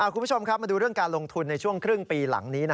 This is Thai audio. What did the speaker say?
คุณผู้ชมครับมาดูเรื่องการลงทุนในช่วงครึ่งปีหลังนี้